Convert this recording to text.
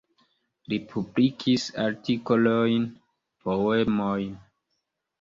Li publikis artikolojn, poemojn.